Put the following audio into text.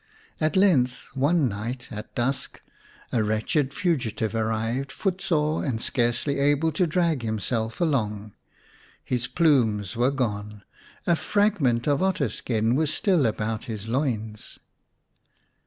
At length one night at dusk a wretched fugitive arrived, footsore and scarcely 137 The Cock's Kraal xi able to drag himself along. His plumes were gone, a fragment of otter skin was still about his loins.